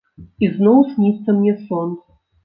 І зноў сніцца мне сон.